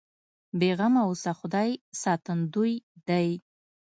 بې غمه اوسه خدای ساتندوی دی.